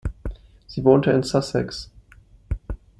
Sie wohnte in Sussex.